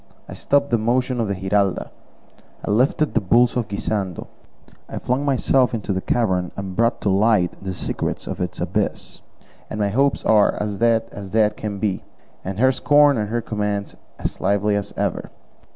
I stopped the motion of the Giralda, I lifted the bulls of Guisando, I flung myself into the cavern and brought to light the secrets of its abyss; and my hopes are as dead as dead can be, and her scorn and her commands as lively as ever.